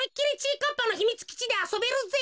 かっぱのひみつきちであそべるぜ。